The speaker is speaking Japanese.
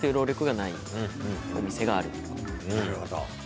なるほど。